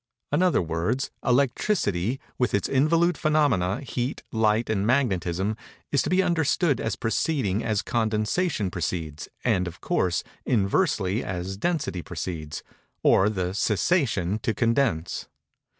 In other words, Electricity, with its involute phænomena, heat, light and magnetism, is to be understood as proceeding as condensation proceeds, and, of course, inversely as density proceeds, or the cessation to condense.